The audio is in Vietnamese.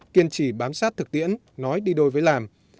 kiên trì bám sát thực tiễn nói đi đôi với làm